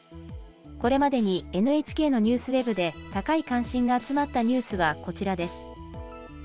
これまでにＮＨＫのニュースウェブで高い関心が集まったニュースはこちらです。